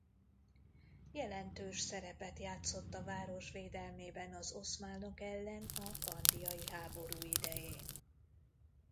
Jelentős szerepet játszott a város védelmében az oszmánok ellen a kandiai háború idején.